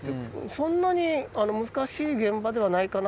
そんなに難しい現場ではないかな？